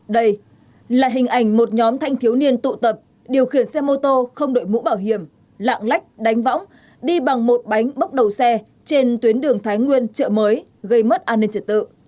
đây là hình ảnh một nhóm thanh thiếu niên tụ tập điều khiển xe mô tô không đội mũ bảo hiểm lạng lách đánh võng đi bằng một bánh bốc đầu xe trên tuyến đường thái nguyên chợ mới gây mất an ninh trật tự